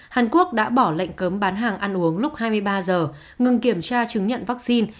hàn quốc đã bỏ lệnh cấm bán hàng ăn uống lúc hai mươi ba giờ ngừng kiểm tra chứng nhận vaccine